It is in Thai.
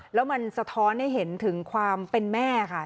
แล้วมันสะท้อนให้เห็นถึงความเป็นแม่ค่ะ